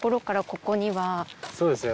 そうですね